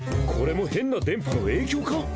これも変な電波の影響か？